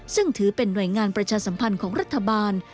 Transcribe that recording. ซึ่งถือเป็นหน่วยงานของรัฐบาล